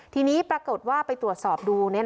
ทีนี้ปรากฏว่าไปตรวจสอบดู